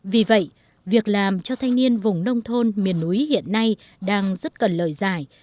vì vậy việc làm cho thanh niên vùng nông thôn miền núi hiện nay đang rất cần lời giải